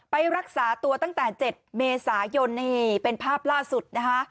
ไปรักษาตัวตั้งแต่๗เมษายนนี่เป็นภาพล่าสุดนะคะ